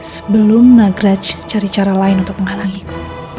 sebelum nagrej cari cara lain untuk menghalangiku